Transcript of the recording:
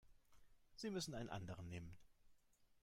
Sie müssen einen anderen nehmen.